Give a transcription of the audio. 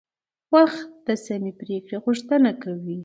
وخت د سمې پریکړې غوښتنه کوي